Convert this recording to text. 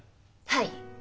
はい。